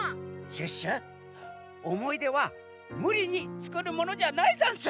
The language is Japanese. シュッシュおもいではむりにつくるものじゃないざんす！